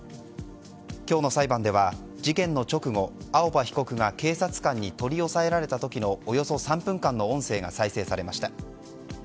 今日の裁判では事件の直後青葉被告が警察官に取り押さえられた時のおよそ３分間の音声が再生されました。